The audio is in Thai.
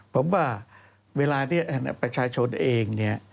ผมว่าเวลานี้ประชาชนเองเนี่ย